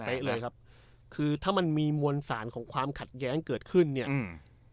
เลยครับคือถ้ามันมีมวลสารของความขัดแย้งเกิดขึ้นเนี้ยอืม